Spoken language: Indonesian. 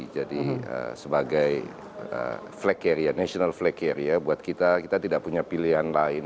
jadi sebagai flag carrier national flag carrier buat kita kita tidak punya pilihan lain